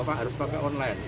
pak harus pakai online